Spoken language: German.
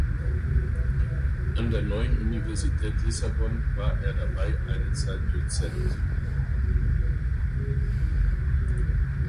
An der Neuen Universität Lissabon war er dabei eine Zeit Dozent.